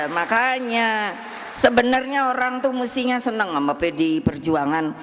makanya sebenarnya orang tuh mestinya senang sama pdi perjuangan